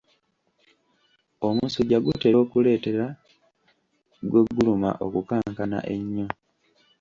Omusujja gutera okuleetera gwe guluma okukankana ennyo.